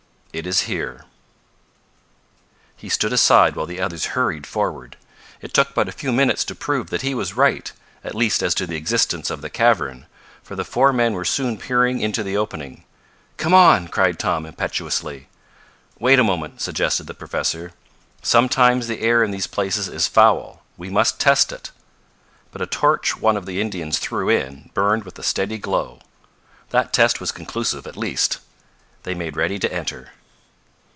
It is here." He stood aside while the others hurried forward. It took but a few minutes to prove that he was right at least as to the existence of the cavern for the four men were soon peering into the opening. "Come on!" cried Tom, impetuously. "Wait a moment," suggested the professor, "Sometimes the air in these places is foul. We must test it." But a torch one of the Indians threw in burned with a steady glow. That test was conclusive at least. They made ready to enter.